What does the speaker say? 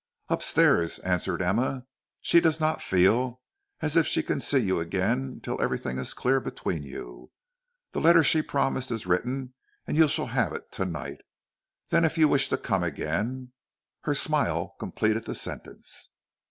"Upstairs," answered Emma. "She does not feel as if she can see you again till everything is clear between you. The letter she promised is written, and you shall have it to night. Then if you wish to come again " her smile completed the sentence.